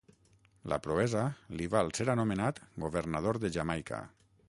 La proesa li val ser anomenat governador de Jamaica.